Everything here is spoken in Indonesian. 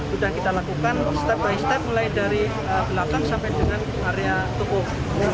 sudah kita lakukan step by step mulai dari belakang sampai dengan area tubuh